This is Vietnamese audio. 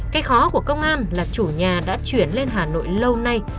cái khó của công an là chủ nhà đã chuyển lên hà nội lâu nay